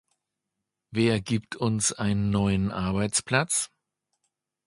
Wer gibt uns einen neuen Arbeitsplatz?